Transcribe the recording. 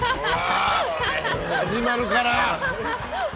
始まるから！